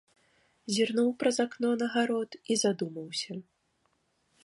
Зірнуў праз акно на гарод і задумаўся.